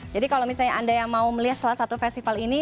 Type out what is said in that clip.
jadi kalau misalnya anda yang mau melihat salah satu festival ini